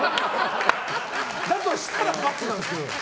だとしたら×なんですけど。